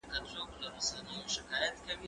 زه پرون سپينکۍ مينځلې!؟